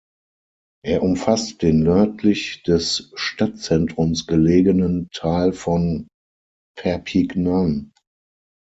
Er umfasste den nördlich des Stadtzentrums gelegenen Teil von Perpignan.